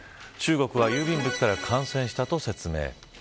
中国は郵便物から感染したと説明。